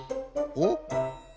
おっ？